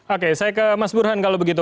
oke saya ke mas burhan kalau begitu